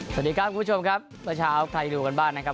สวัสดีครับคุณผู้ชมครับเมื่อเช้าใครดูกันบ้างนะครับ